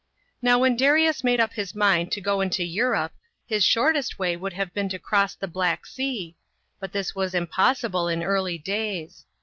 Now when Darius made up his mind to go into Europe, his shortest way would have been to cross the Black Sea ; but this was impossible in early days.